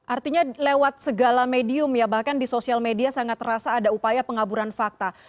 artinya lewat segala medium ya bahkan di sosial media sangat terasa ada upaya pengaburan fakta